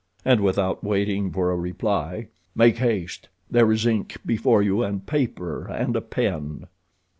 And, without waiting for a reply: "Make haste; there is ink before you, and paper and a pen."